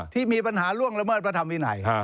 ที่มีปัญหาล่วงละเมิดพระธรรมวินัย